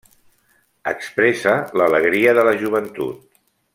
Expressa l'alegria de la joventut.